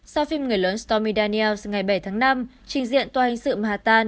sao phim người lớn stormy daniels ngày bảy tháng năm trình diện tòa hình sự manhattan